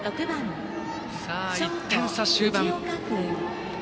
１点差、終盤。